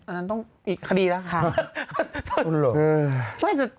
อันนั้นต้องอีกคดีแล้วค่ะ